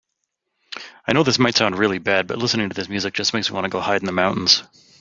I know this might sound really bad, but listening to this music just makes me want to go hide in the mountains.